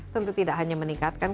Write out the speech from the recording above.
tentu tidak hanya meningkatkan